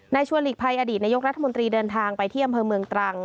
ชัวร์หลีกภัยอดีตนายกรัฐมนตรีเดินทางไปที่อำเภอเมืองตรัง